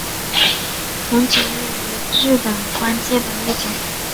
从九位为日本官阶的一种。